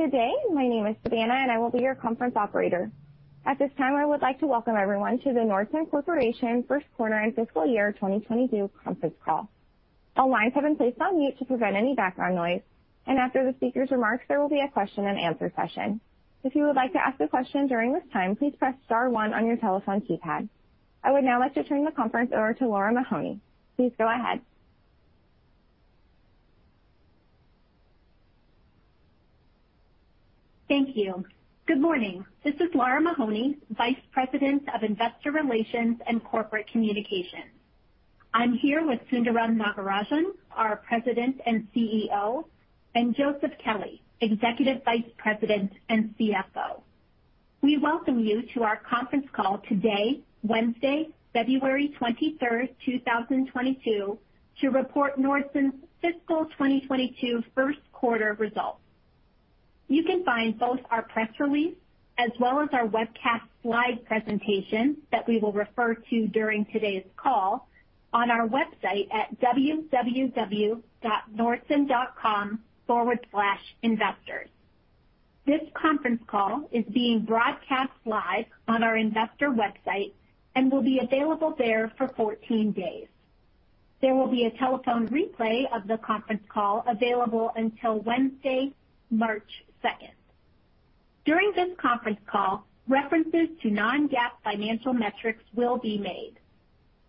Good day. My name is Savannah, and I will be your conference operator. At this time, I would like to welcome everyone to the Nordson Corporation first quarter and fiscal year 2022 conference call. All lines have been placed on mute to prevent any background noise, and after the speaker's remarks, there will be a question-and-answer session. If you would like to ask a question during this time, please press star one on your telephone keypad. I would now like to turn the conference over to Lara Mahoney. Please go ahead. Thank you. Good morning. This is Lara Mahoney, Vice President of Investor Relations and Corporate Communications. I'm here with Sundaram Nagarajan, our President and CEO, and Joseph Kelley, Executive Vice President and CFO. We welcome you to our conference call today, Wednesday, February 23, 2022, to report Nordson's fiscal 2022 first quarter results. You can find both our press release as well as our webcast slide presentation that we will refer to during today's call on our website at www.nordson.com/investors. This conference call is being broadcast live on our investor website and will be available there for 14 days. There will be a telephone replay of the conference call available until Wednesday, March 2. During this conference call, references to non-GAAP financial metrics will be made.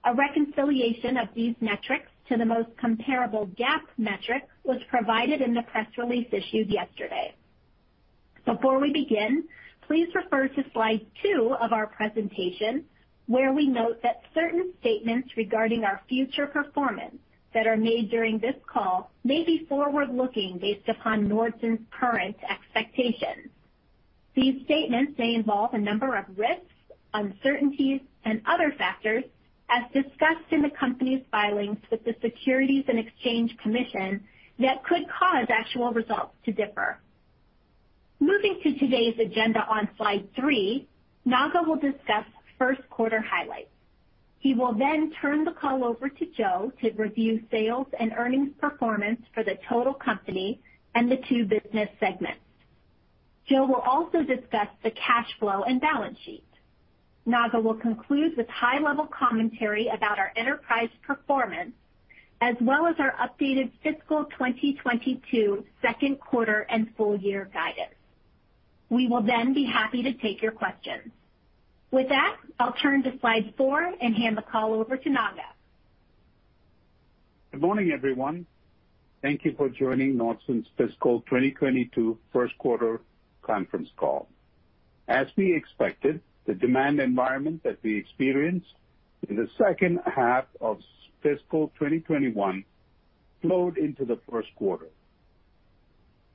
A reconciliation of these metrics to the most comparable GAAP metric was provided in the press release issued yesterday. Before we begin, please refer to Slide two of our presentation, where we note that certain statements regarding our future performance that are made during this call may be forward-looking based upon Nordson's current expectations. These statements may involve a number of risks, uncertainties, and other factors, as discussed in the company's filings with the Securities and Exchange Commission, that could cause actual results to differ. Moving to today's agenda on Slide three, Naga will discuss first quarter highlights. He will then turn the call over to Joe to review sales and earnings performance for the total company and the two business segments. Joe will also discuss the cash flow and balance sheet. Naga will conclude with high-level commentary about our enterprise performance as well as our updated fiscal 2022 second quarter and full year guidance. We will then be happy to take your questions. With that, I'll turn to Slide four and hand the call over to Naga. Good morning, everyone. Thank you for joining Nordson's fiscal 2022 first quarter conference call. As we expected, the demand environment that we experienced in the second half of fiscal 2021 flowed into the first quarter.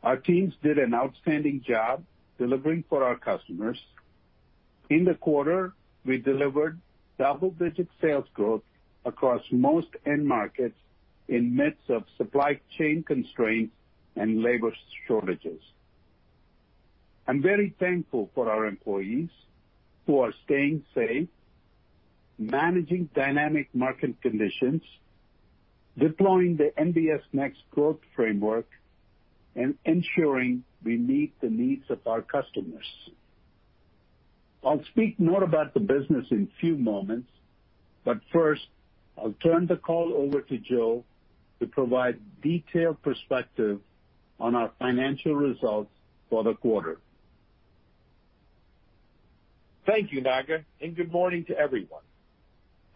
Our teams did an outstanding job delivering for our customers. In the quarter, we delivered double-digit sales growth across most end markets in midst of supply chain constraints and labor shortages. I'm very thankful for our employees who are staying safe, managing dynamic market conditions, deploying the NBS Next growth framework, and ensuring we meet the needs of our customers. I'll speak more about the business in few moments, but first, I'll turn the call over to Joe to provide detailed perspective on our financial results for the quarter. Thank you, Naga, and good morning to everyone.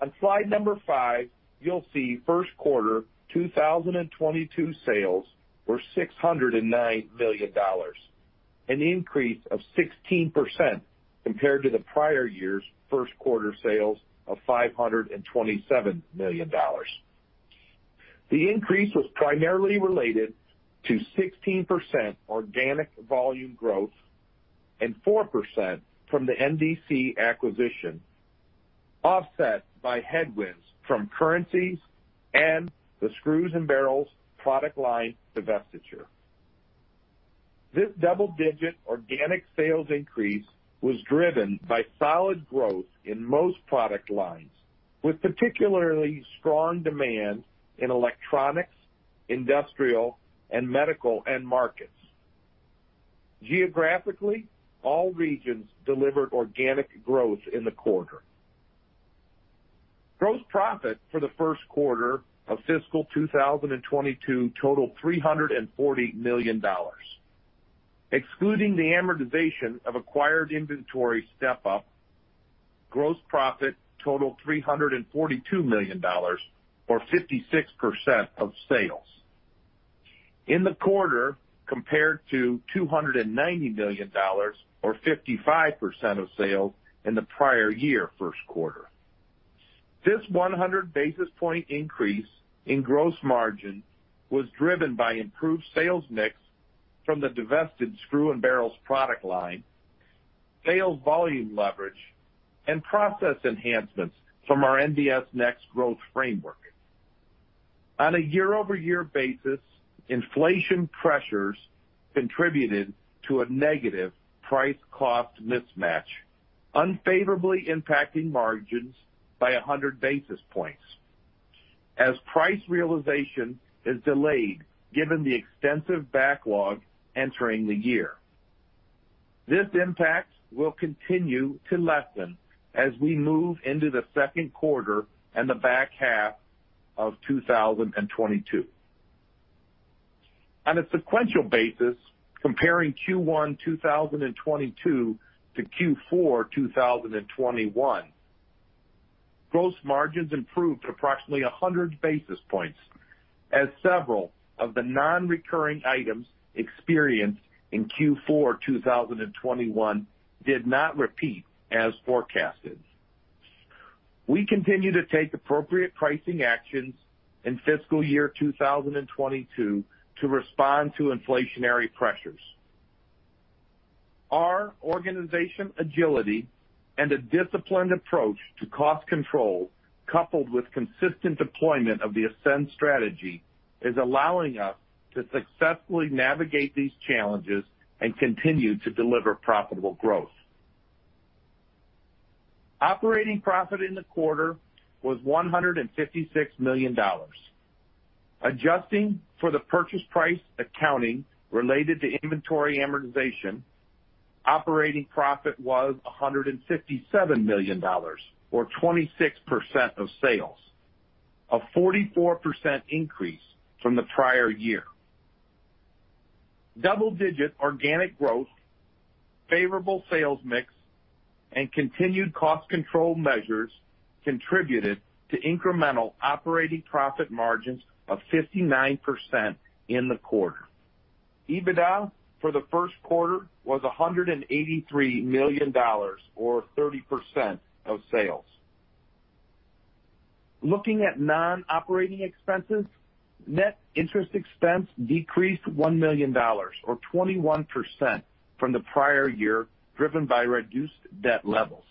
On Slide five, you'll see first quarter 2022 sales were $609 million, an increase of 16% compared to the prior year's first quarter sales of $527 million. The increase was primarily related to 16% organic volume growth and 4% from the NDC acquisition, offset by headwinds from currencies and the screws and barrels product line divestiture. This double-digit organic sales increase was driven by solid growth in most product lines, with particularly strong demand in electronics, industrial, and medical end markets. Geographically, all regions delivered organic growth in the quarter. Gross profit for the first quarter of fiscal 2022 totaled $340 million. Excluding the amortization of acquired inventory step-up, gross profit totaled $342 million, or 56% of sales in the quarter, compared to $290 million or 55% of sales in the prior year first quarter. This 100 basis point increase in gross margin was driven by improved sales mix from the divested screw and barrels product line, sales volume leverage, and process enhancements from our NBS Next growth framework. On a year-over-year basis, inflation pressures contributed to a negative price/cost mismatch, unfavorably impacting margins by 100 basis points as price realization is delayed given the extensive backlog entering the year. This impact will continue to lessen as we move into the second quarter and the back half of 2022. On a sequential basis, comparing Q1 2022 to Q4 2021, gross margins improved approximately 100 basis points as several of the non-recurring items experienced in Q4 2021 did not repeat as forecasted. We continue to take appropriate pricing actions in fiscal year 2022 to respond to inflationary pressures. Our organization agility and a disciplined approach to cost control coupled with consistent deployment of the Ascend strategy is allowing us to successfully navigate these challenges and continue to deliver profitable growth. Operating profit in the quarter was $156 million. Adjusting for the purchase price accounting related to inventory amortization, operating profit was $157 million or 26% of sales, a 44% increase from the prior year. Double-digit organic growth, favorable sales mix, and continued cost control measures contributed to incremental operating profit margins of 59% in the quarter. EBITDA for the first quarter was $183 million or 30% of sales. Looking at non-operating expenses, net interest expense decreased $1 million or 21% from the prior year, driven by reduced debt levels.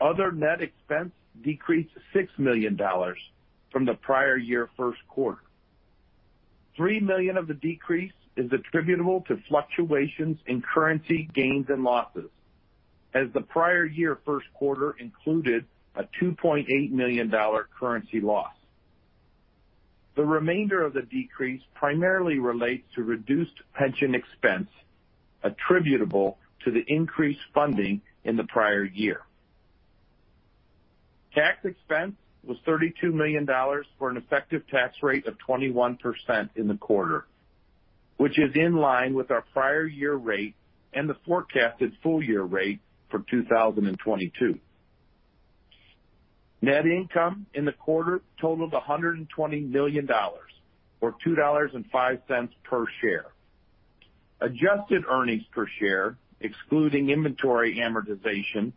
Other net expense decreased $6 million from the prior year first quarter. $3 million of the decrease is attributable to fluctuations in currency gains and losses, as the prior year first quarter included a $2.8 million currency loss. The remainder of the decrease primarily relates to reduced pension expense attributable to the increased funding in the prior year. Tax expense was $32 million for an effective tax rate of 21% in the quarter, which is in line with our prior year rate and the forecasted full year rate for 2022. Net income in the quarter totaled $120 million or $2.05 per share. Adjusted earnings per share, excluding inventory amortization,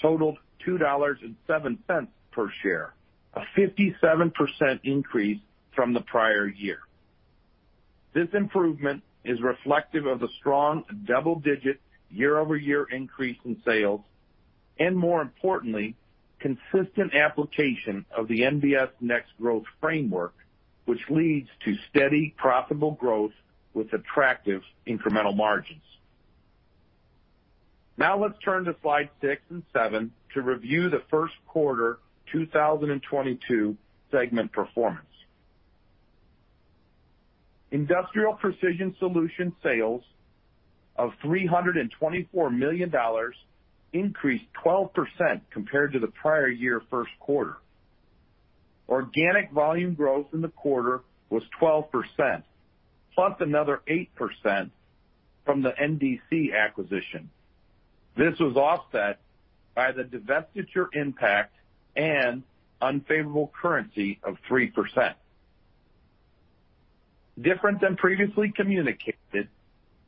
totaled $2.07 per share, a 57% increase from the prior year. This improvement is reflective of the strong double-digit year-over-year increase in sales, and more importantly, consistent application of the NBS Next growth framework, which leads to steady profitable growth with attractive incremental margins. Now let's turn to Slide six and Slide seven to review the first quarter 2022 segment performance. Industrial Precision Solutions sales of $324 million increased 12% compared to the prior year first quarter. Organic volume growth in the quarter was 12%, plus another 8% from the NDC acquisition. This was offset by the divestiture impact and unfavorable currency of 3%. Different than previously communicated,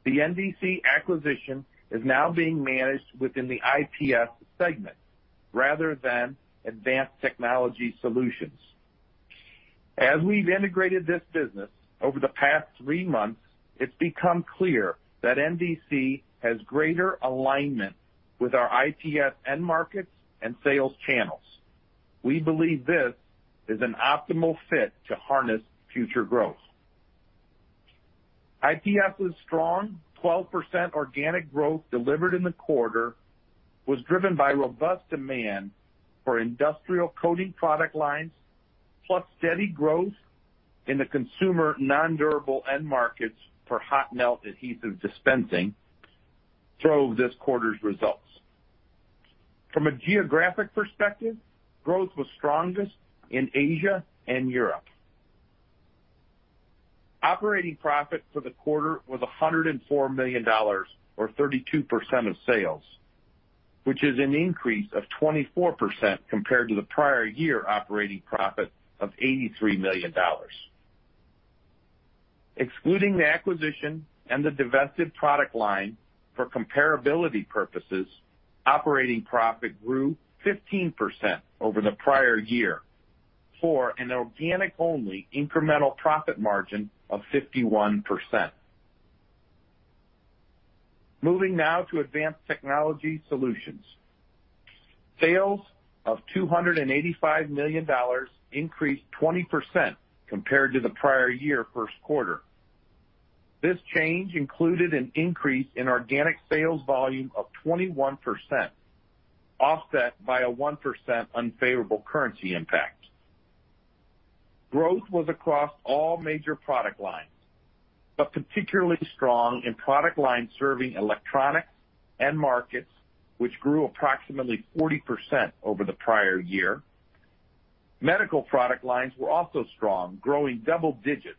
the NDC acquisition is now being managed within the IPS segment rather than Advanced Technology Solutions. As we've integrated this business over the past three months, it's become clear that NDC has greater alignment with our IPS end markets and sales channels. We believe this is an optimal fit to harness future growth. IPS' strong 12% organic growth delivered in the quarter was driven by robust demand for industrial coating product lines, plus steady growth in the consumer nondurable end markets for hot melt adhesive dispensing drove this quarter's results. From a geographic perspective, growth was strongest in Asia and Europe. Operating profit for the quarter was $104 million or 32% of sales, which is an increase of 24% compared to the prior year operating profit of $83 million. Excluding the acquisition and the divested product line for comparability purposes, operating profit grew 15% over the prior year for an organic-only incremental profit margin of 51%. Moving now to Advanced Technology Solutions. Sales of $285 million increased 20% compared to the prior year first quarter. This change included an increase in organic sales volume of 21%, offset by a 1% unfavorable currency impact. Growth was across all major product lines, but particularly strong in product lines serving electronics end markets, which grew approximately 40% over the prior year. Medical product lines were also strong, growing double digits,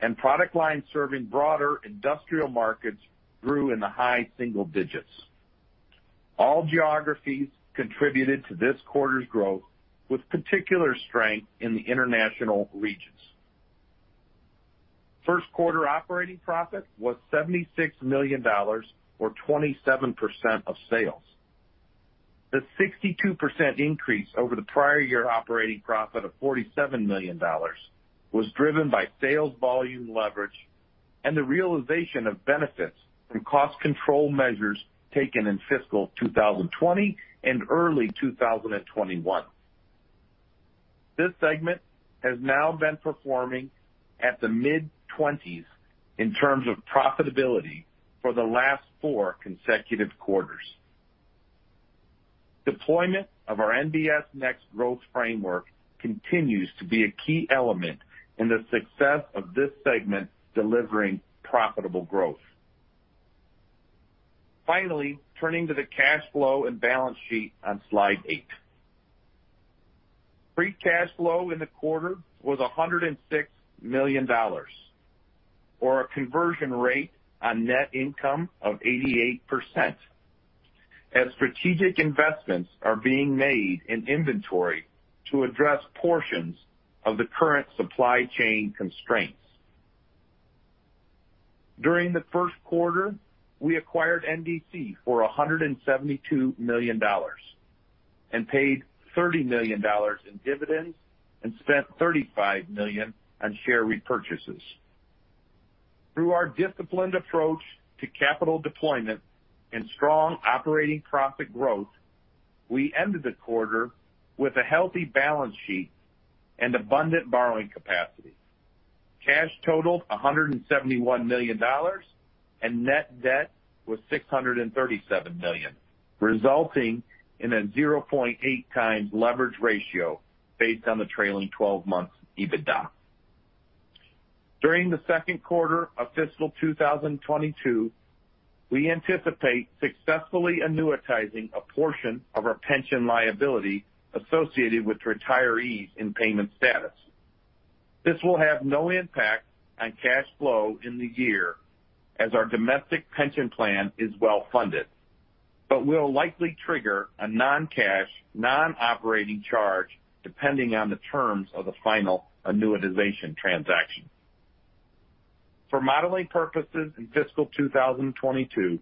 and product lines serving broader industrial markets grew in the high single digits. All geographies contributed to this quarter's growth, with particular strength in the international regions. First quarter operating profit was $76 million or 27% of sales. The 62% increase over the prior year operating profit of $47 million was driven by sales volume leverage and the realization of benefits from cost control measures taken in fiscal 2020 and early 2021. This segment has now been performing at the mid-20s in terms of profitability for the last four consecutive quarters. Deployment of our NBS Next growth framework continues to be a key element in the success of this segment, delivering profitable growth. Finally, turning to the cash flow and balance sheet on Slide eight. Free cash flow in the quarter was $106 million or a conversion rate on net income of 88% as strategic investments are being made in inventory to address portions of the current supply chain constraints. During the first quarter, we acquired NDC for $172 million and paid $30 million in dividends and spent $30 million on share repurchases. Through our disciplined approach to capital deployment and strong operating profit growth, we ended the quarter with a healthy balance sheet and abundant borrowing capacity. Cash totaled $171 million and net debt was $637 million, resulting in a 0.8x leverage ratio based on the trailing twelve months EBITDA. During the second quarter of fiscal 2022, we anticipate successfully annuitizing a portion of our pension liability associated with retirees in payment status. This will have no impact on cash flow in the year as our domestic pension plan is well funded, but will likely trigger a non-cash, non-operating charge depending on the terms of the final annuitization transaction. For modeling purposes in fiscal 2022,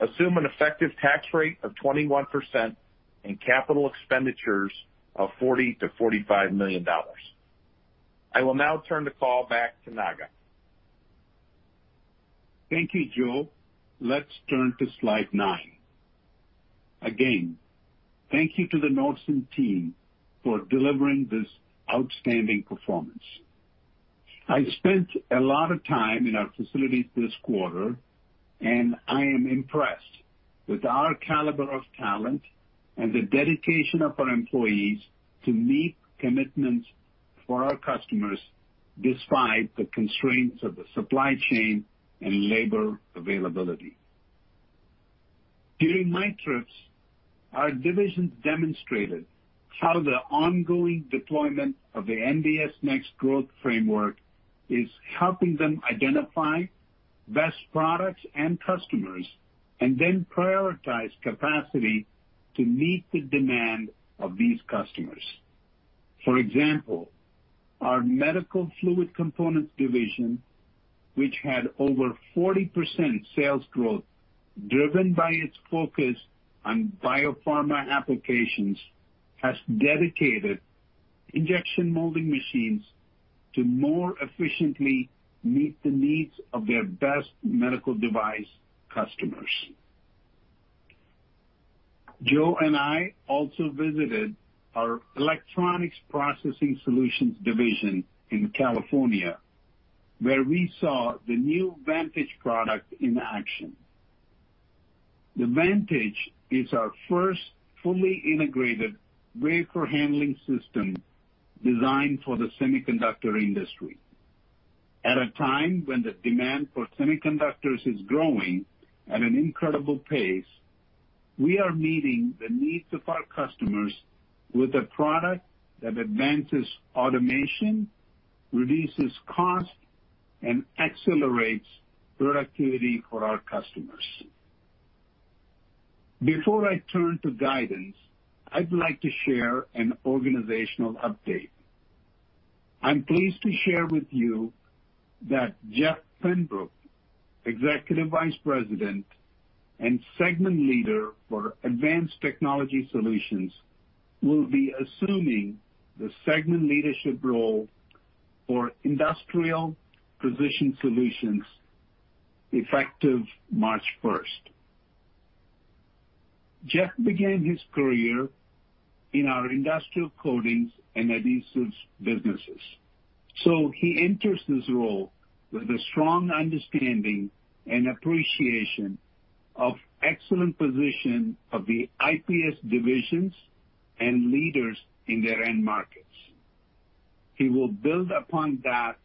assume an effective tax rate of 21% and capital expenditures of $40 million-$45 million. I will now turn the call back to Naga. Thank you, Joe. Let's turn to Slide nine. Again, thank you to the Nordson team for delivering this outstanding performance. I spent a lot of time in our facilities this quarter, and I am impressed with our caliber of talent and the dedication of our employees to meet commitments for our customers despite the constraints of the supply chain and labor availability. During my trips, our divisions demonstrated how the ongoing deployment of the NBS Next growth framework is helping them identify best products and customers, and then prioritize capacity to meet the demand of these customers. For example, our Medical Fluid Components division, which had over 40% sales growth driven by its focus on biopharma applications, has dedicated injection molding machines to more efficiently meet the needs of their best medical device customers. Joe and I also visited our Electronics Processing Solutions division in California, where we saw the new Vantage product in action. The Vantage is our first fully integrated wafer handling system designed for the semiconductor industry. At a time when the demand for semiconductors is growing at an incredible pace, we are meeting the needs of our customers with a product that advances automation, reduces cost, and accelerates productivity for our customers. Before I turn to guidance, I'd like to share an organizational update. I'm pleased to share with you that Jeffrey Pembroke, Executive Vice President and Segment Leader for Advanced Technology Solutions, will be assuming the segment leadership role for Industrial Precision Solutions. Effective March first. Jeff began his career in our industrial coatings and adhesives businesses, so he enters this role with a strong understanding and appreciation of excellent position of the IPS divisions and leaders in their end markets. He will build upon that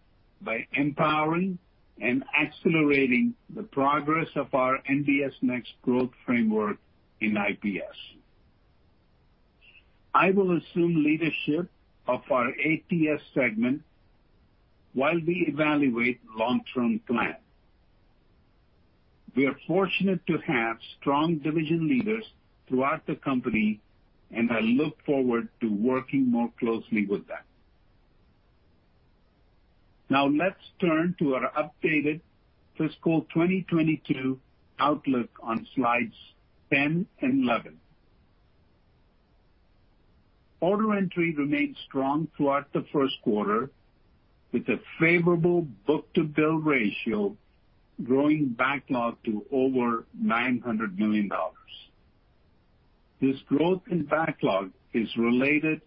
by empowering and accelerating the progress of our NBS Next growth framework in IPS. I will assume leadership of our ATS segment while we evaluate long-term plan. We are fortunate to have strong division leaders throughout the company, and I look forward to working more closely with them. Now let's turn to our updated fiscal 2022 outlook on Slides 10 and 11. Order entry remained strong throughout the first quarter, with a favorable book-to-bill ratio growing backlog to over $900 million. This growth in backlog is related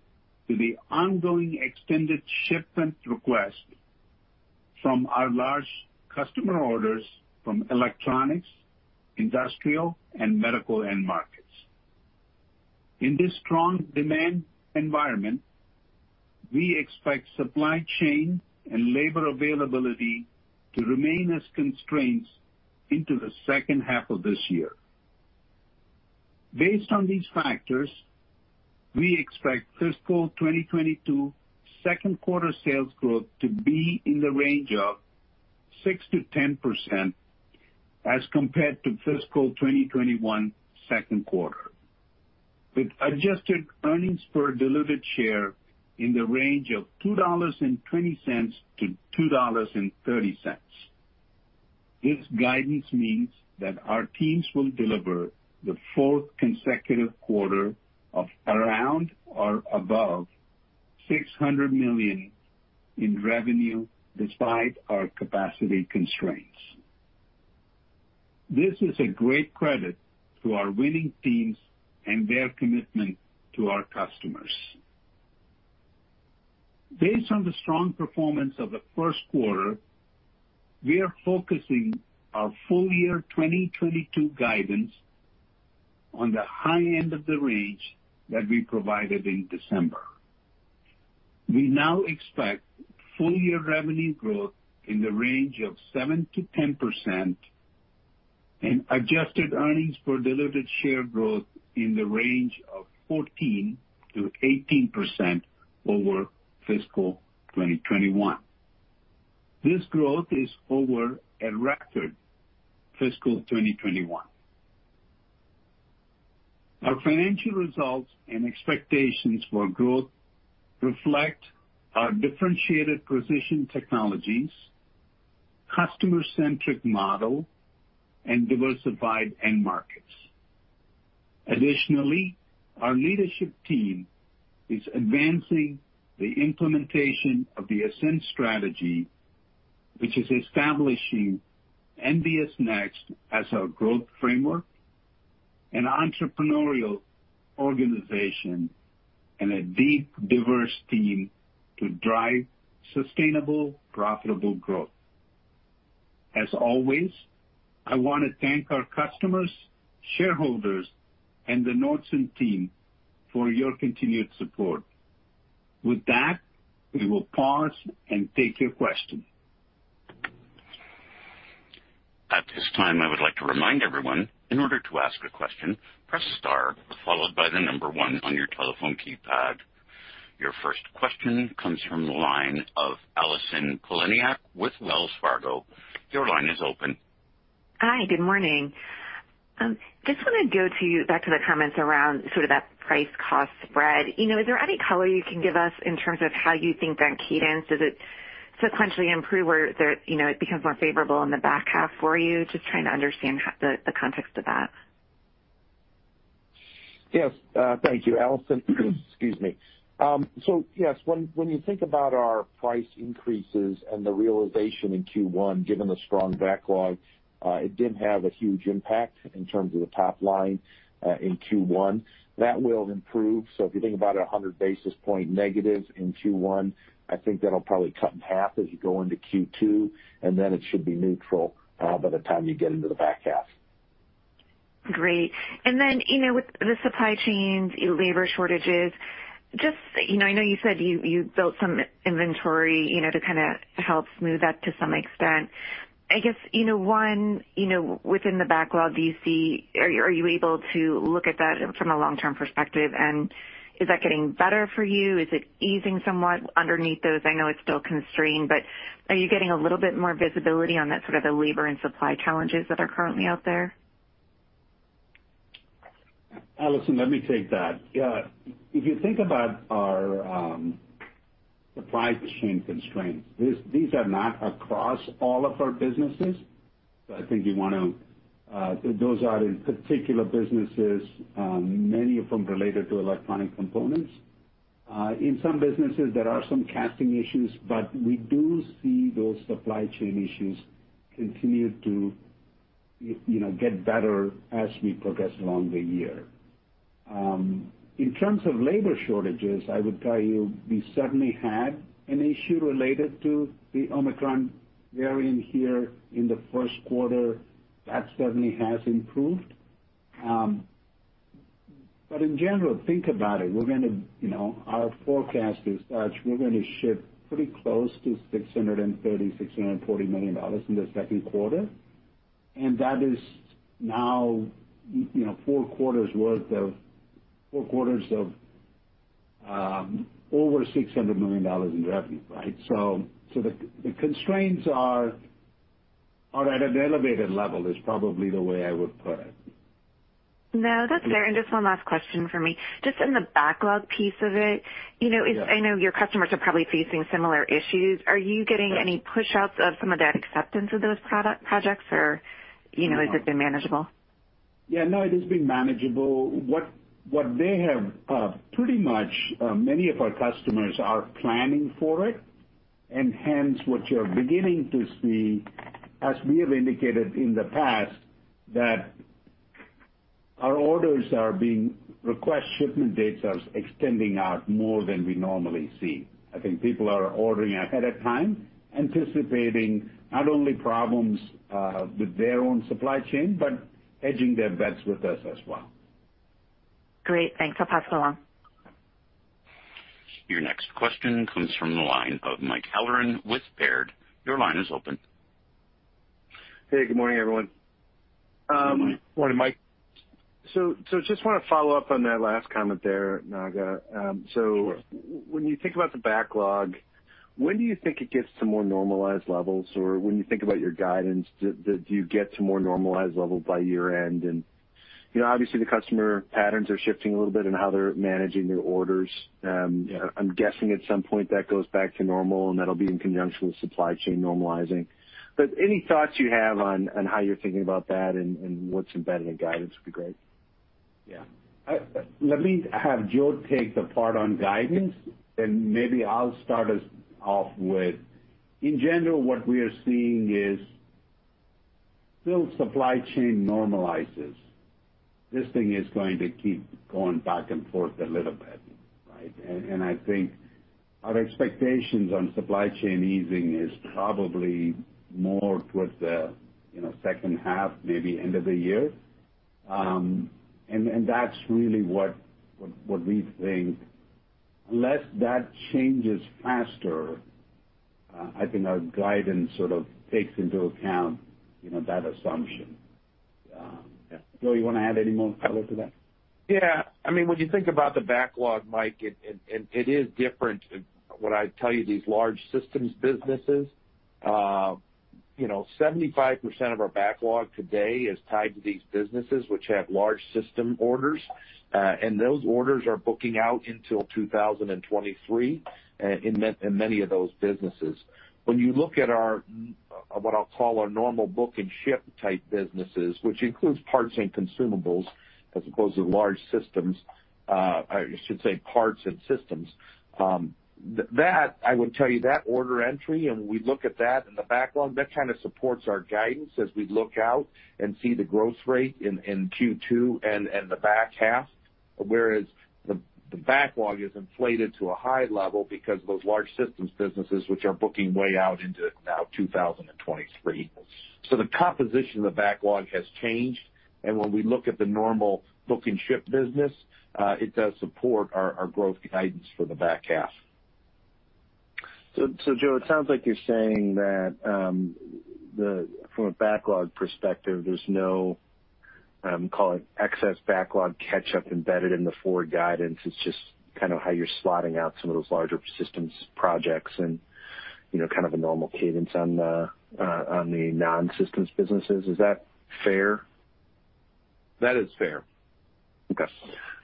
to the ongoing extended shipment request from our large customer orders from electronics, industrial, and medical end markets. In this strong demand environment, we expect supply chain and labor availability to remain as constraints into the second half of this year. Based on these factors, we expect fiscal 2022 second quarter sales growth to be in the range of 6%-10% as compared to fiscal 2021 second quarter, with adjusted earnings per diluted share in the range of $2.20-$2.30. This guidance means that our teams will deliver the fourth consecutive quarter of around or above $600 million in revenue despite our capacity constraints. This is a great credit to our winning teams and their commitment to our customers. Based on the strong performance of the first quarter, we are focusing our full year 2022 guidance on the high end of the range that we provided in December. We now expect full-year revenue growth in the range of 7%-10% and adjusted earnings per diluted share growth in the range of 14%-18% over fiscal 2021. This growth is over a record fiscal 2021. Our financial results and expectations for growth reflect our differentiated precision technologies, customer-centric model, and diversified end markets. Additionally, our leadership team is advancing the implementation of the Ascend Strategy, which is establishing NBS Next as our growth framework, an entrepreneurial organization and a deep, diverse team to drive sustainable, profitable growth. As always, I want to thank our customers, shareholders, and the Nordson team for your continued support. With that, we will pause and take your question. At this time, I would like to remind everyone, in order to ask a question, press star followed by the number one on your telephone keypad. Your first question comes from the line of Allison Poliniak with Wells Fargo. Your line is open. Hi, good morning. Just wanna go back to the comments around sort of that price cost spread. You know, is there any color you can give us in terms of how you think that cadence, does it sequentially improve whether it becomes more favorable in the back half for you? Just trying to understand the context of that. Yes, thank you, Allison. Excuse me. Yes, when you think about our price increases and the realization in Q1, given the strong backlog, it didn't have a huge impact in terms of the top line in Q1. That will improve. If you think about 100 basis point negative in Q1, I think that'll probably cut in half as you go into Q2, and then it should be neutral by the time you get into the back half. Great. You know, with the supply chains, labor shortages, just, you know, I know you said you built some inventory, you know, to kinda help smooth that to some extent. I guess, you know, within the backlog, do you see? Are you able to look at that from a long-term perspective? Is that getting better for you? Is it easing somewhat underneath those? I know it's still constrained, but are you getting a little bit more visibility on that sort of the labor and supply challenges that are currently out there? Alison, let me take that. Yeah. If you think about our supply chain constraints, these are not across all of our businesses. I think those are in particular businesses, many of them related to electronic components. In some businesses, there are some casting issues, but we do see those supply chain issues continue to, you know, get better as we progress along the year. In terms of labor shortages, I would tell you we certainly had an issue related to the Omicron variant here in the first quarter. That certainly has improved. But in general, think about it. We're gonna, you know, our forecast is such, we're gonna ship pretty close to $630 million-$640 million in the second quarter. That is now, you know, four quarters of over $600 million in revenue, right? The constraints are at an elevated level is probably the way I would put it. No, that's fair. Just one last question from me. Just in the backlog piece of it, you know. Yeah. I know your customers are probably facing similar issues. Are you getting any pushouts of some of that acceptance of those projects or, you know, has it been manageable? Yeah, no, it has been manageable. Pretty much, many of our customers are planning for it. Hence, what you're beginning to see, as we have indicated in the past, that our orders' requested shipment dates are extending out more than we normally see. I think people are ordering ahead of time, anticipating not only problems with their own supply chain, but hedging their bets with us as well. Great. Thanks. I'll pass it along. Your next question comes from the line of Michael Halloran with Baird. Your line is open. Hey, good morning, everyone. Good morning. Morning, Mike. Just wanna follow-up on that last comment there, Naga. Sure. When you think about the backlog, when do you think it gets to more normalized levels? Or when you think about your guidance, do you get to more normalized levels by year-end? You know, obviously the customer patterns are shifting a little bit in how they're managing their orders. I'm guessing at some point that goes back to normal, and that'll be in conjunction with supply chain normalizing. Any thoughts you have on how you're thinking about that and what's embedded in guidance would be great. Yeah. Let me have Joe take the part on guidance, and maybe I'll start us off with, in general, what we are seeing is till supply chain normalizes, this thing is going to keep going back and forth a little bit, right? I think our expectations on supply chain easing is probably more towards the, you know, second half, maybe end of the year. That's really what we think. Unless that changes faster, I think our guidance sort of takes into account, you know, that assumption. Yeah. Joe, you wanna add any more color to that? Yeah. I mean, when you think about the backlog, Mike, it is different. What I tell you, these large systems businesses, 75% of our backlog today is tied to these businesses which have large system orders. And those orders are booking out until 2023, in many of those businesses. When you look at our, what I'll call our normal book and ship type businesses, which includes parts and consumables, as opposed to large systems, I should say parts and systems, that I would tell you that order entry, and we look at that in the backlog, that kinda supports our guidance as we look out and see the growth rate in Q2 and the back half. Whereas the backlog is inflated to a high level because of those large systems businesses which are booking way out into now 2023. The composition of the backlog has changed. When we look at the normal book and ship business, it does support our growth guidance for the back half. Joe, it sounds like you're saying that from a backlog perspective, there's no call it excess backlog catch up embedded in the forward guidance. It's just kind of how you're slotting out some of those larger systems projects and, you know, kind of a normal cadence on the non-systems businesses. Is that fair? That is fair. Okay.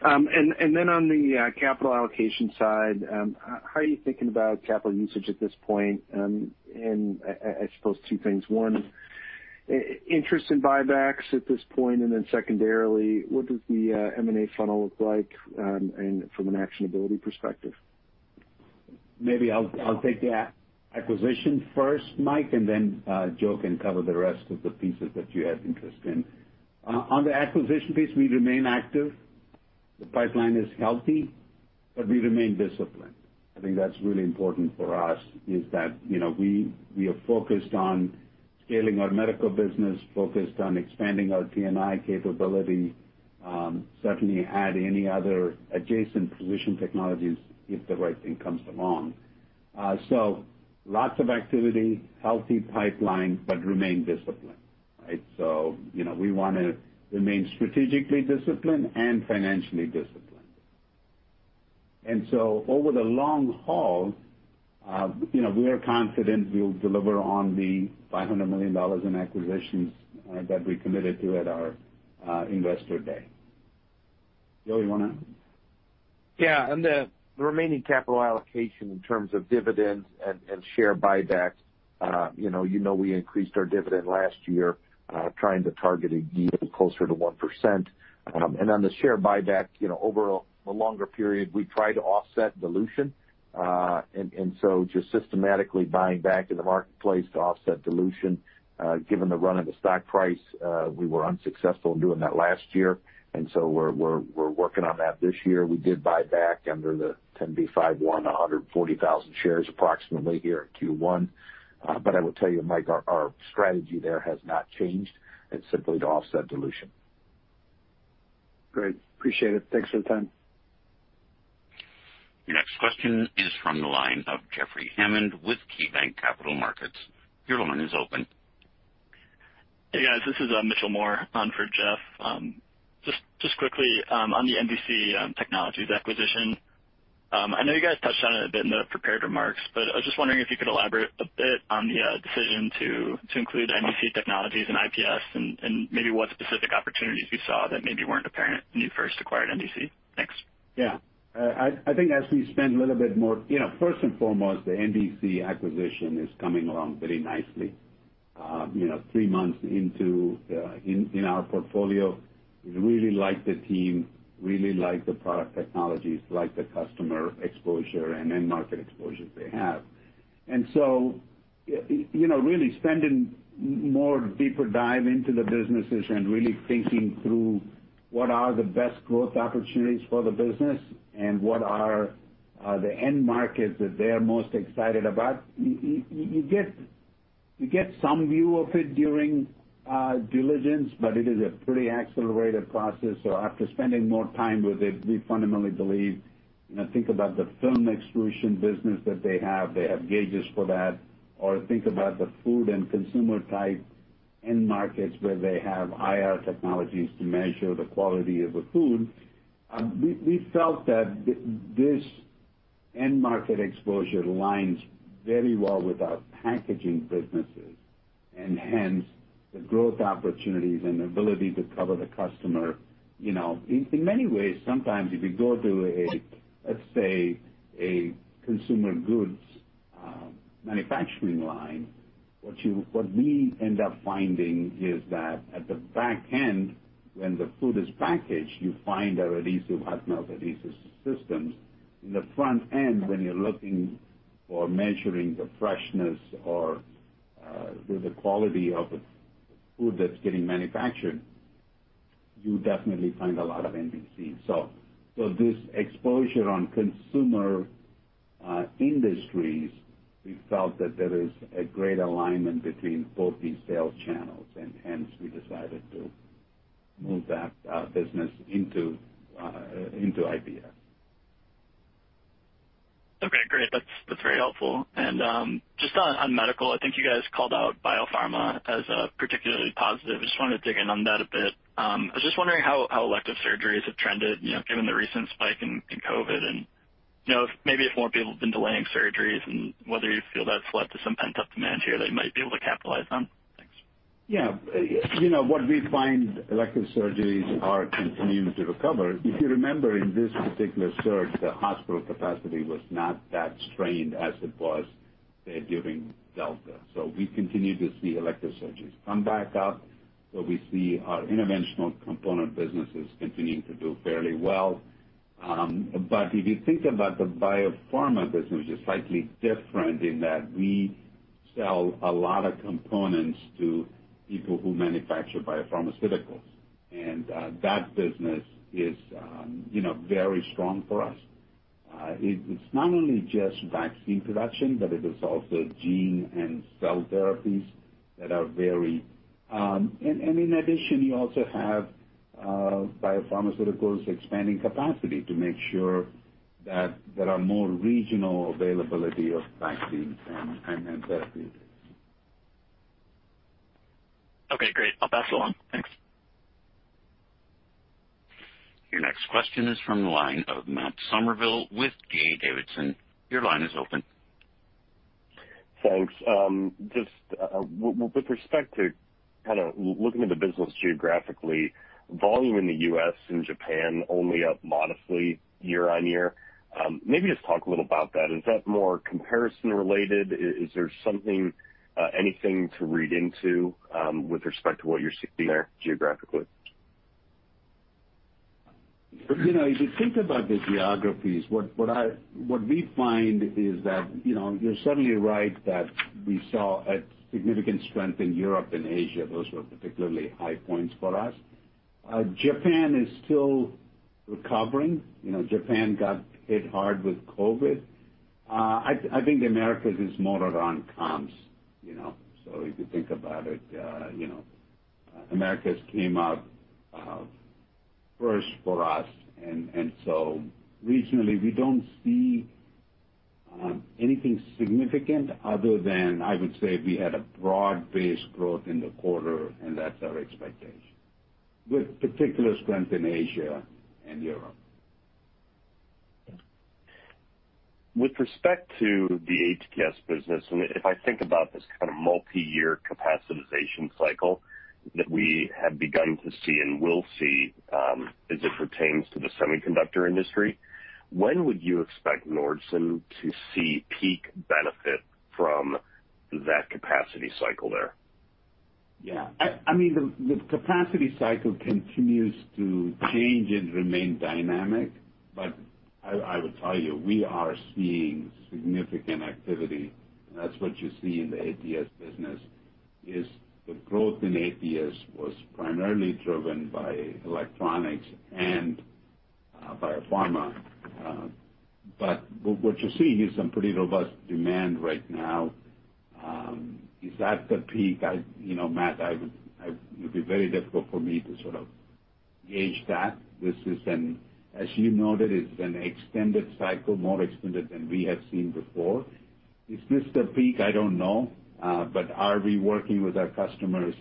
On the capital allocation side, how are you thinking about capital usage at this point? I suppose two things. One, interest in buybacks at this point. Secondarily, what does the M&A funnel look like from an actionability perspective? Maybe I'll take the acquisition first, Mike, and then Joe can cover the rest of the pieces that you have interest in. On the acquisition piece, we remain active. The pipeline is healthy, but we remain disciplined. I think that's really important for us is that, you know, we are focused on scaling our medical business, focused on expanding our T&I capability, certainly add any other adjacent position technologies if the right thing comes along. Lots of activity, healthy pipeline, but remain disciplined, right? You know, we wanna remain strategically disciplined and financially disciplined. Over the long haul, you know, we are confident we'll deliver on the $500 million in acquisitions that we committed to at our investor day. Joe, you wanna? Yeah. The remaining capital allocation in terms of dividends and share buyback. You know we increased our dividend last year, trying to target a yield closer to 1%. On the share buyback, you know, over a longer period, we try to offset dilution. Just systematically buying back in the marketplace to offset dilution. Given the run of the stock price, we were unsuccessful in doing that last year, and so we're working on that this year. We did buy back under the 10b5-1, 140,000 shares approximately here in Q1. I will tell you, Mike, our strategy there has not changed. It's simply to offset dilution. Great. Appreciate it. Thanks for the time. Your next question is from the line of Jeffrey Hammond with KeyBanc Capital Markets. Your line is open. Hey, guys, this is Mitchell Moore on for Jeff. Just quickly, on the NDC Technologies acquisition, I know you guys touched on it a bit in the prepared remarks, but I was just wondering if you could elaborate a bit on the decision to include NDC Technologies and IPS and maybe what specific opportunities you saw that maybe weren't apparent when you first acquired NDC. Thanks. Yeah. I think as we spend a little bit more. You know, first and foremost, the NDC acquisition is coming along very nicely. You know, three months into our portfolio, we really like the team, really like the product technologies, like the customer exposure and end market exposure they have. You know, really spending more deeper dive into the businesses and really thinking through what are the best growth opportunities for the business and what are the end markets that they are most excited about. You get some view of it during diligence, but it is a pretty accelerated process. After spending more time with it, we fundamentally believe. You know, think about the film extrusion business that they have. They have gauges for that. Think about the food and consumer type end markets where they have IR technologies to measure the quality of the food. We felt that this end market exposure aligns very well with our packaging businesses and hence the growth opportunities and ability to cover the customer. In many ways, sometimes if you go to a, let's say, a consumer goods manufacturing line, what we end up finding is that at the back end, when the food is packaged, you find our adhesive, hot melt adhesive systems. In the front end, when you're looking for measuring the freshness or, the quality of the food that's getting manufactured, you definitely find a lot of NDC. This exposure on consumer industries, we felt that there is a great alignment between both these sales channels, and hence we decided to move that business into IPS. Okay, great. That's very helpful. Just on medical, I think you guys called out biopharma as particularly positive. Just wanted to dig in on that a bit. I was just wondering how elective surgeries have trended, you know, given the recent spike in COVID and, you know, if maybe more people have been delaying surgeries and whether you feel that's led to some pent-up demand here they might be able to capitalize on. Thanks. Yeah. You know, what we find is elective surgeries are continuing to recover. If you remember in this particular surge, the hospital capacity was not that strained as it was, say, during Delta. We continue to see elective surgeries come back up. We see our interventional component businesses continuing to do fairly well. If you think about the biopharma business, which is slightly different in that we sell a lot of components to people who manufacture biopharmaceuticals, and that business is, you know, very strong for us. It's not only just vaccine production, but it is also gene and cell therapies. In addition, you also have biopharmaceuticals expanding capacity to make sure that there are more regional availability of vaccines and therapies. Okay, great. I'll pass along. Thanks. Your next question is from the line of Matt Summerville with DA Davidson. Your line is open. Thanks. Just with respect to kind of looking at the business geographically, volume in the U.S. and Japan only up modestly year-on-year. Maybe just talk a little about that. Is that more comparison related? Is there something, anything to read into with respect to what you're seeing there geographically? You know, if you think about the geographies, what we find is that, you know, you're certainly right that we saw a significant strength in Europe and Asia. Those were particularly high points for us. Japan is still recovering. You know, Japan got hit hard with COVID. I think the Americas is more around comps, you know. If you think about it, you know, Americas came up first for us. Regionally, we don't see anything significant other than I would say we had a broad-based growth in the quarter, and that's our expectation, with particular strength in Asia and Europe. With respect to the ATS business, and if I think about this kind of multi-year capacitization cycle. That we have begun to see and will see, as it pertains to the semiconductor industry, when would you expect Nordson to see peak benefit from that capacity cycle there? Yeah. I mean, the capacity cycle continues to change and remain dynamic, but I will tell you, we are seeing significant activity. That's what you see in the ATS business. The growth in ATS was primarily driven by electronics and biopharma. What you see is some pretty robust demand right now. Is that the peak? You know, Matt, it would be very difficult for me to sort of gauge that. This is an extended cycle, as you know. It's more extended than we have seen before. Is this the peak? I don't know. Are we working with our customers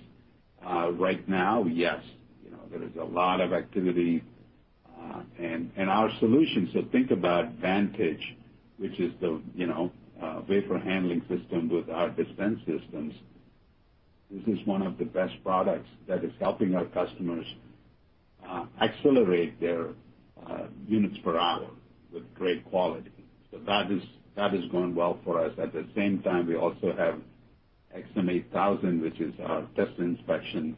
right now? Yes. You know, there is a lot of activity, and our solutions. Think about Vantage, which is the wafer handling system with our dispense systems. This is one of the best products that is helping our customers accelerate their units per hour with great quality. That is going well for us. At the same time, we also have XM8000, which is our Test & Inspection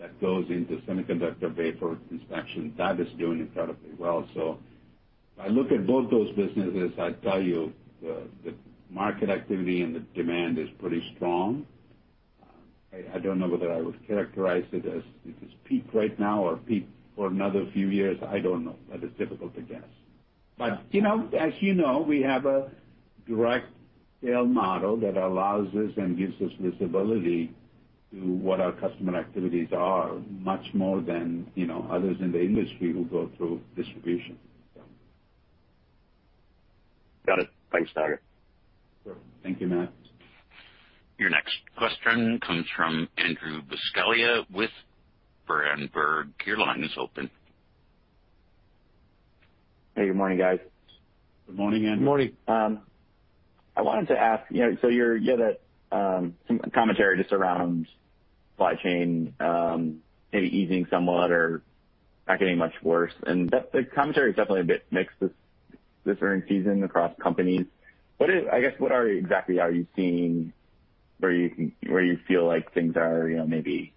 that goes into semiconductor wafer inspection. That is doing incredibly well. If I look at both those businesses, I'd tell you the market activity and the demand is pretty strong. I don't know whether I would characterize it as if it's peak right now or peak for another few years. I don't know. That is difficult to guess. You know, as you know, we have a direct sale model that allows us and gives us visibility to what our customer activities are, much more than, you know, others in the industry who go through distribution. Got it. Thanks, Naga. Sure. Thank you, Matt. Your next question comes from Andrew Buscaglia with Berenberg. Your line is open. Hey, good morning, guys. Good morning, Andrew. Good morning. I wanted to ask, you know, so you had some commentary just around supply chain, maybe easing somewhat or not getting much worse, and the commentary is definitely a bit mixed this earnings season across companies. I guess, what exactly are you seeing where you feel like things are, you know, maybe,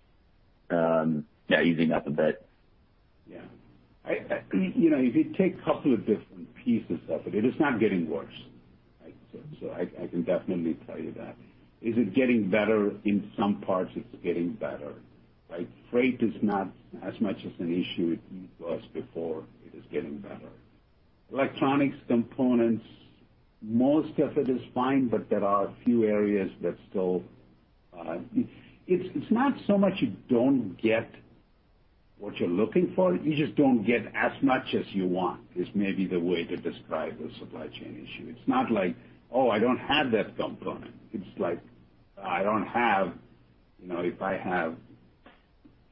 yeah, easing up a bit? Yeah. You know, if you take a couple of different pieces of it is not getting worse. I'd say. I can definitely tell you that. Is it getting better? In some parts, it's getting better, right? Freight is not as much of an issue as it was before. It is getting better. Electronics components, most of it is fine, but there are a few areas that still. It's not so much that you don't get what you're looking for, you just don't get as much as you want, is maybe the way to describe the supply chain issue. It's not like, "Oh, I don't have that component." It's like, "I don't have you know, if I have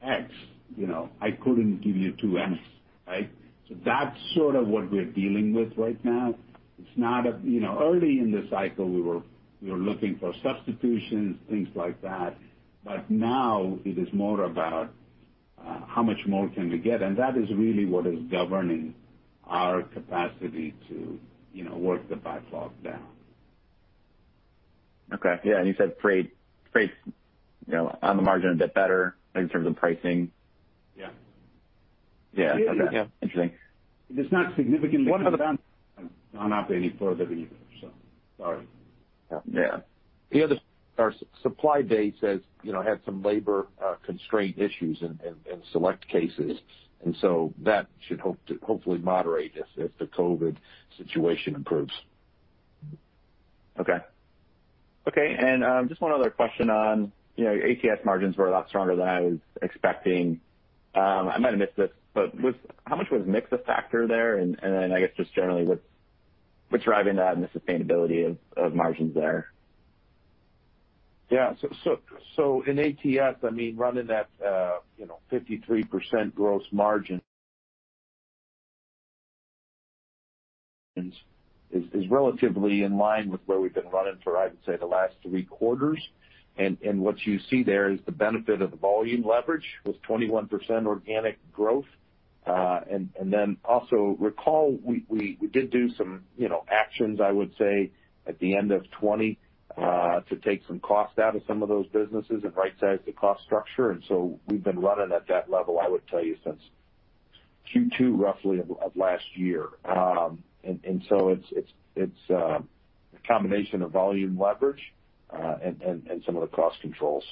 X, you know, I couldn't give you two X." Right? That's sort of what we're dealing with right now. You know, early in the cycle, we were looking for substitutions, things like that. Now it is more about how much more can we get, and that is really what is governing our capacity to, you know, work the backlog down. Okay. Yeah. You said freight's, you know, on the margin a bit better in terms of pricing. Yeah. Yeah. Okay. Interesting. It is not significantly down. I'm not any further than you, so sorry. Yeah. Our supply base has, you know, had some labor constraint issues in select cases. That should hopefully moderate as the COVID situation improves. Just one other question on, you know, your ATS margins were a lot stronger than I was expecting. I might have missed it, but how much was mix a factor there? I guess just generally, what's driving that and the sustainability of margins there? Yeah. In ATS, I mean, running at, you know, 53% gross margin is relatively in line with where we've been running for, I would say, the last three quarters. What you see there is the benefit of the volume leverage with 21% organic growth. Then also recall we did do some, you know, actions, I would say, at the end of 2020, to take some cost out of some of those businesses and right-size the cost structure. We've been running at that level, I would tell you, since Q2 roughly of last year. It's a combination of volume leverage and some of the cost controls.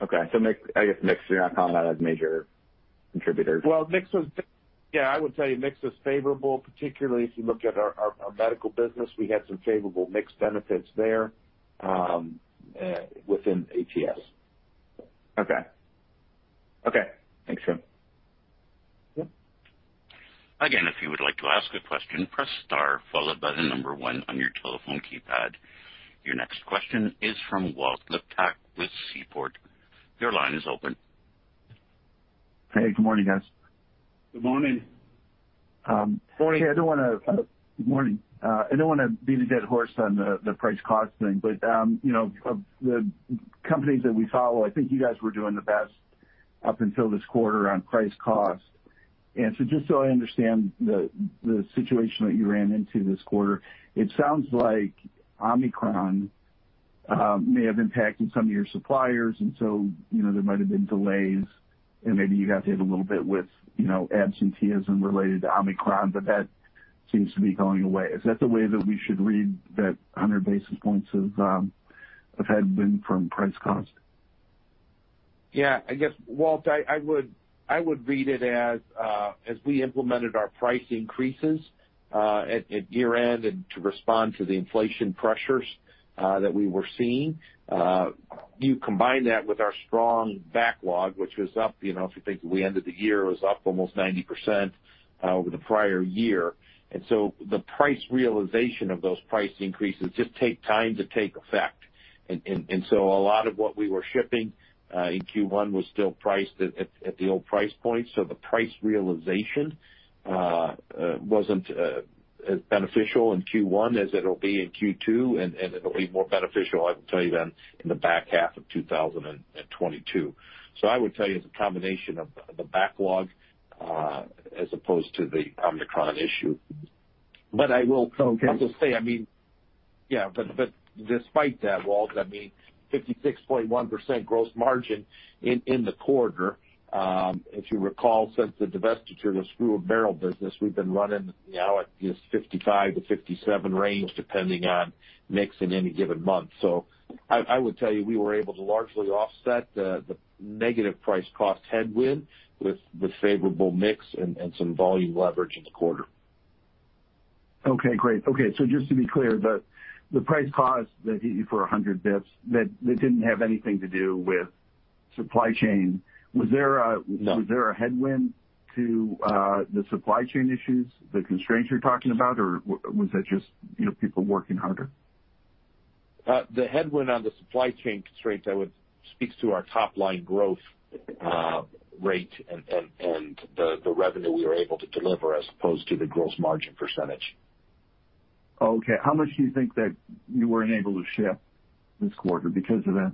I guess mix you're not calling out as major contributor. Well, yeah, I would tell you mix was favorable, particularly if you look at our medical business. We had some favorable mix benefits there within ATS. Okay. Thanks, Joe. Sure. Again, if you would like to ask a question, press star followed by the number one on your telephone keypad. Your next question is from Walt Liptak with Seaport. Your line is open. Hey, good morning, guys. Good morning. Morning. Good morning. I don't want to beat a dead horse on the price cost thing, but you know, of the companies that we follow, I think you guys were doing the best up until this quarter on price cost. Just so I understand the situation that you ran into this quarter, it sounds like Omicron may have impacted some of your suppliers. You know, there might have been delays and maybe you got hit a little bit with you know, absenteeism related to Omicron, but that seems to be going away. Is that the way that we should read that 100 basis points of headwind from price cost? Yeah, I guess, Walt, I would read it as we implemented our price increases at year-end and to respond to the inflation pressures that we were seeing. You combine that with our strong backlog, which was up, you know, if you think we ended the year, it was up almost 90% over the prior year. The price realization of those price increases just take time to take effect. A lot of what we were shipping in Q1 was still priced at the old price point. The price realization wasn't as beneficial in Q1 as it'll be in Q2, and it'll be more beneficial, I will tell you, than in the back half of 2022. I would tell you it's a combination of the backlog, as opposed to the Omicron issue. I will Okay. I'll just say, I mean, yeah, but despite that, Walt, I mean 56.1% gross margin in the quarter. If you recall, since the divestiture of the screw and barrel business, we've been running now at this 55%-57% range, depending on mix in any given month. I would tell you, we were able to largely offset the negative price cost headwind with favorable mix and some volume leverage in the quarter. Okay, great. Okay, so just to be clear, the price cost that hit you for 100 basis points, that didn't have anything to do with supply chain. Was there a- No. Was there a headwind to the supply chain issues, the constraints you're talking about, or was that just, you know, people working harder? The headwind on the supply chain constraints speaks to our top-line growth rate and the revenue we were able to deliver as opposed to the gross margin percentage. Okay. How much do you think that you were unable to ship this quarter because of that?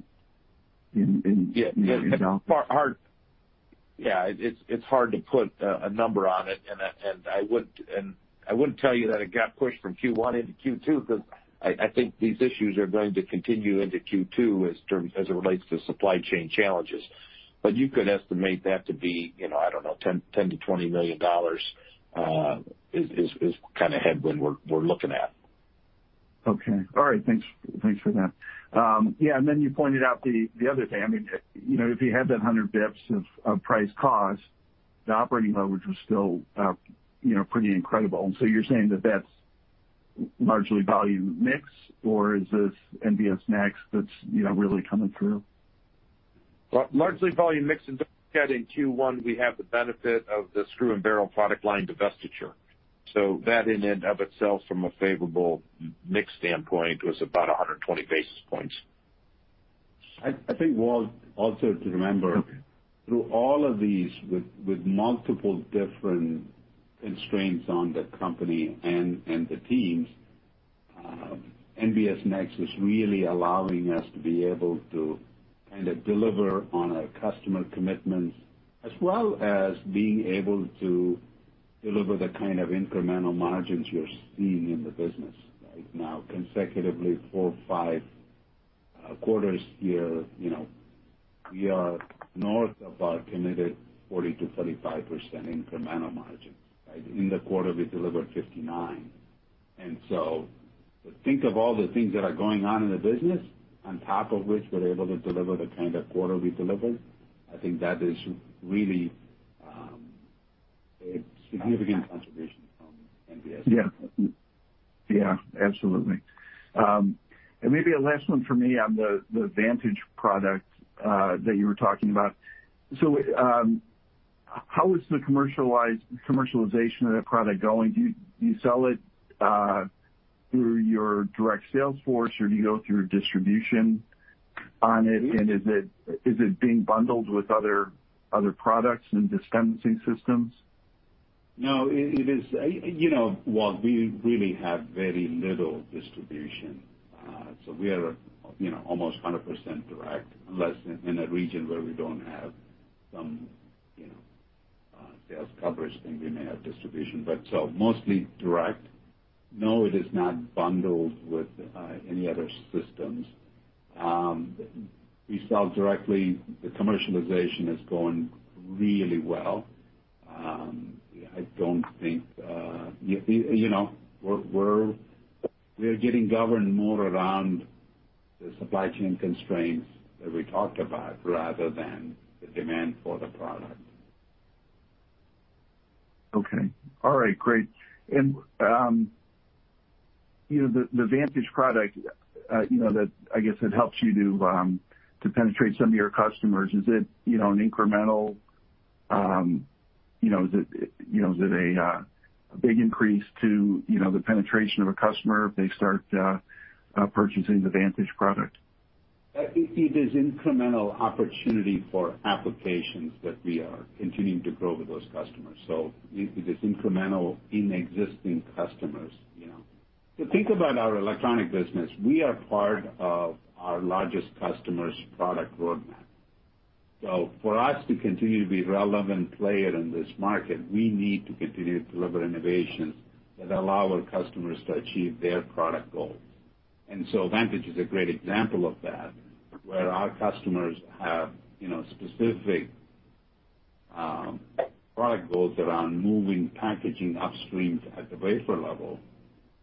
It's hard to put a number on it. I wouldn't tell you that it got pushed from Q1 into Q2 because I think these issues are going to continue into Q2 as it relates to supply chain challenges. You could estimate that to be, you know, I don't know, $10 million-$20 million is kinda headwind we're looking at. Okay. All right. Thanks for that. Yeah, and then you pointed out the other day, I mean, you know, if you had that 100 basis points of price cost, the operating leverage was still, you know, pretty incredible. You're saying that that's mainly volume mix, or is this NBS Next that's, you know, really coming through? Well, largely volume mix. Don't forget, in Q1, we have the benefit of the screw and barrel product line divestiture. That in and of itself from a favorable margin mix standpoint was about 120 basis points. I think, Walt, also to remember through all of these with multiple different constraints on the company and the teams, NBS Next is really allowing us to be able to kinda deliver on our customer commitments as well as being able to deliver the kind of incremental margins you're seeing in the business right now. Consecutively four, five quarters here, you know, we are north of our committed 35%-40% incremental margin, right? In the quarter, we delivered 59%. To think of all the things that are going on in the business, on top of which we're able to deliver the kind of quarter we delivered, I think that is really a significant contribution from NBS. Yeah. Absolutely. Maybe a last one for me on the Vantage product that you were talking about. How is the commercialization of that product going? Do you sell it through your direct sales force, or do you go through distribution on it? Mm-hmm. Is it being bundled with other products and dispensing systems? No, it is. You know, Walt, we really have very little distribution. So we are, you know, almost 100% direct, unless in a region where we don't have some, you know, sales coverage, then we may have distribution, but so mostly direct. No, it is not bundled with any other systems. We sell directly. The commercialization is going really well. I don't think, you know, we're getting governed more around the supply chain constraints that we talked about rather than the demand for the product. Okay. All right, great. You know, the Vantage product, you know, that I guess it helps you to penetrate some of your customers. Is it, you know, an incremental? You know that you know that a big increase to you know the penetration of a customer if they start purchasing the Vantage product. I think it is incremental opportunity for applications that we are continuing to grow with those customers. It is incremental in existing customers, you know. If you think about our electronic business, we are part of our largest customer's product roadmap. For us to continue to be relevant player in this market, we need to continue to deliver innovations that allow our customers to achieve their product goals. Vantage is a great example of that, where our customers have, you know, specific product goals around moving packaging upstream at the wafer level.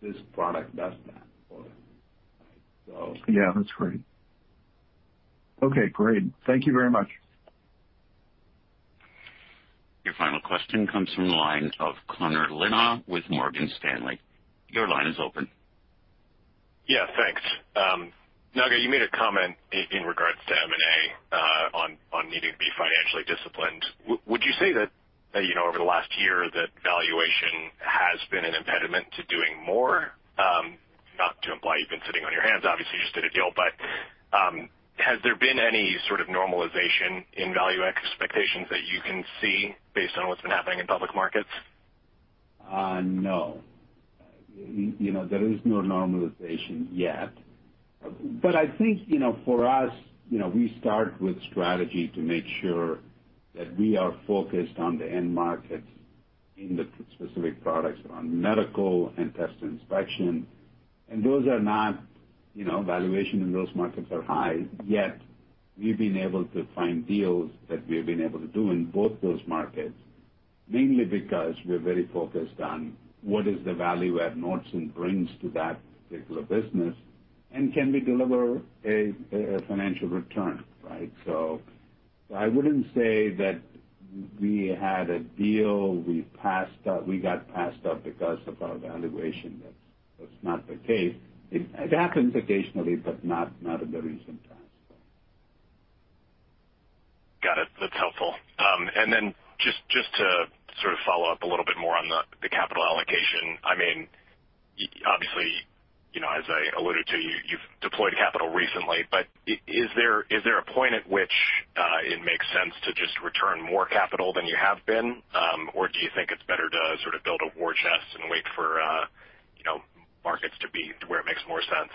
This product does that for them. Yeah, that's great. Okay, great. Thank you very much. Your final question comes from the line of Connor Lynagh with Morgan Stanley. Your line is open. Yeah, thanks. Naga, you made a comment in regards to M&A on needing to be financially disciplined. Would you say that, you know, over the last year that valuation has been an impediment to doing more? Not to imply you've been sitting on your hands, obviously you just did a deal. Has there been any sort of normalization in value expectations that you can see based on what's been happening in public markets? No. You know, there is no normalization yet. I think, you know, for us, you know, we start with strategy to make sure that we are focused on the end markets in the specific products around medical and test inspection. Those are not, you know, valuation in those markets are high, yet we've been able to find deals that we've been able to do in both those markets, mainly because we're very focused on what is the value add Nordson brings to that particular business, and can we deliver a financial return, right? I wouldn't say that we got passed up because of our valuation. That's not the case. It happens occasionally, but not in the recent times. Got it. That's helpful. Just to sort of follow-up a little bit more on the capital allocation. I mean, obviously, you know, as I alluded to, you've deployed capital recently, but is there a point at which it makes sense to just return more capital than you have been? Do you think it's better to sort of build a war chest and wait for, you know, markets to be where it makes more sense?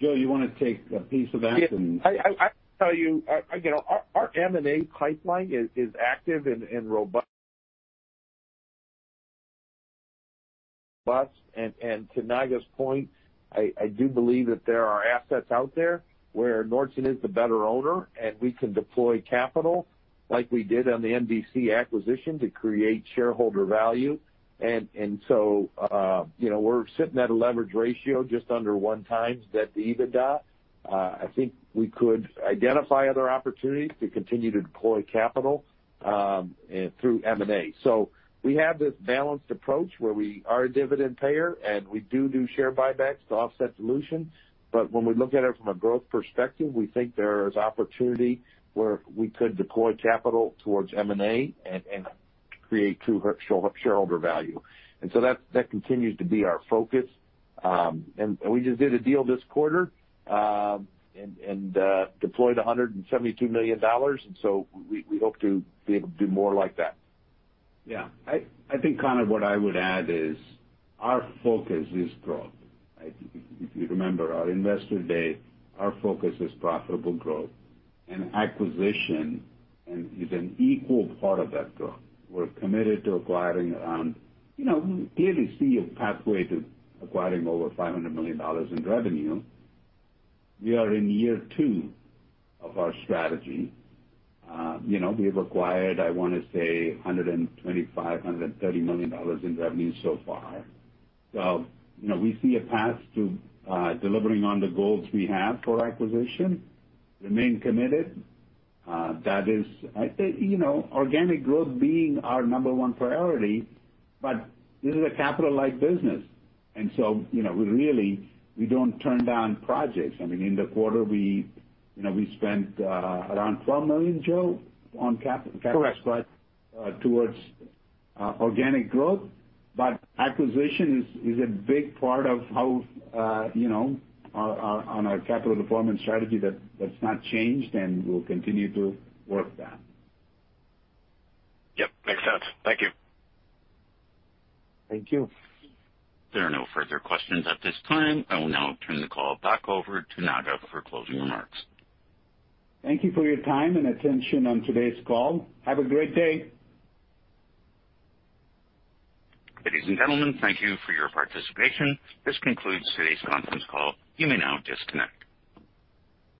Joe, you wanna take a piece of that and Yeah. I tell you know, our M&A pipeline is active and robust. To Naga's point, I do believe that there are assets out there where Nordson is the better owner, and we can deploy capital like we did on the NDC acquisition to create shareholder value. You know, we're sitting at a leverage ratio just under 1x debt to EBITDA. I think we could identify other opportunities to continue to deploy capital through M&A. We have this balanced approach where we are a dividend payer, and we do share buybacks to offset dilution. When we look at it from a growth perspective, we think there is opportunity where we could deploy capital towards M&A and create true shareholder value. That continues to be our focus. We just did a deal this quarter and deployed $172 million, so we hope to be able to do more like that. Yeah. I think Connor, kind of what I would add is our focus is growth, right? If you remember our investor day, our focus is profitable growth. Acquisition is an equal part of that growth. We're committed to acquiring around, you know, we clearly see a pathway to acquiring over $500 million in revenue. We are in year two of our strategy. You know, we've acquired, I wanna say, 125 million, 130 million dollars in revenue so far. You know, we see a path to delivering on the goals we have for acquisition and remain committed. That is, I think, you know, organic growth being our number one priority, but this is a capital light business. You know, we really don't turn down projects. I mean, in the quarter, we, you know, we spent around $12 million, Joe, on cap- Correct. CapEx, but towards organic growth. Acquisition is a big part of how, you know, on our capital deployment strategy that's not changed, and we'll continue to work that. Yep, makes sense. Thank you. Thank you. There are no further questions at this time. I will now turn the call back over to Naga for closing remarks. Thank you for your time and attention on today's call. Have a great day. Ladies and gentlemen, thank you for your participation. This concludes today's conference call. You may now disconnect.